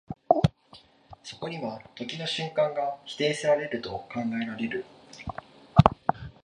そこには時の瞬間が否定せられると考えられる。